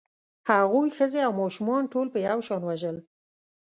هغوی ښځې او ماشومان ټول په یو شان وژل